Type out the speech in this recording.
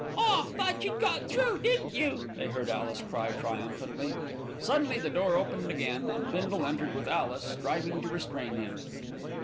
"Ah! thought you'd got through, didn't you?" they heard Alice cry triumphantly. Suddenly the door opened again and Bindle entered with Alice striving to restrain him.